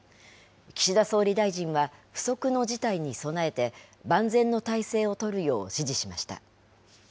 岸田総理大臣は、不測の事態に備えて万全の態勢を取るよう指示しました。